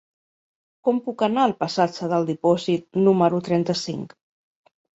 Com puc anar al passatge del Dipòsit número trenta-cinc?